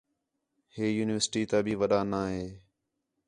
ہِے یونیورسٹی تا بھی وݙّا ناں ہِے